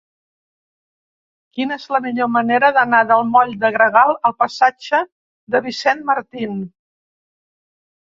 Quina és la millor manera d'anar del moll de Gregal al passatge de Vicent Martín?